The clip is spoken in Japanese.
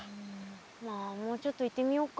まあもうちょっと行ってみようか。